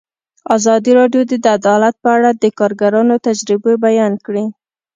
ازادي راډیو د عدالت په اړه د کارګرانو تجربې بیان کړي.